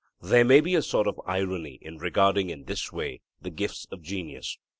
There may be a sort of irony in regarding in this way the gifts of genius.